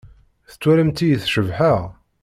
Tettwalimt-iyi cebḥeɣ?